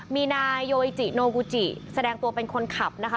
มีนายโยเอจิโนบูจิแสดงตัวเป็นคนขับนะคะ